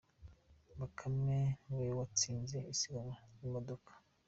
Bakame niwe watsinze isiganwa ry’imodoka